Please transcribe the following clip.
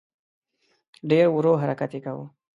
ډېر ورو حرکت یې کاوه.